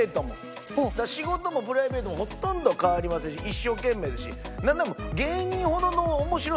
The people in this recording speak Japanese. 仕事もプライベートもほとんど変わりませんし一生懸命ですしなんならそんな事。